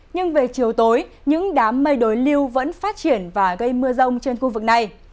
nhưng về chiều tối những đám mây đối lưu vẫn phát triển và gây mưa rông trên khu vực này